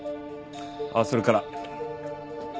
あっそれから。